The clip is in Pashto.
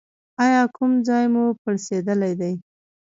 ایا کوم ځای مو پړسیدلی دی؟